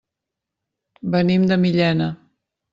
Venim de Millena.